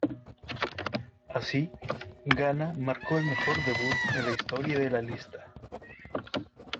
Así, Gaga marcó el mejor debut en la historia de la lista.